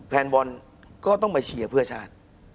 แฟนบอลก็ต้องไปเชียร์เพื่อชาติ